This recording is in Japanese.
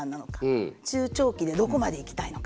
中長期でどこまで行きたいのか。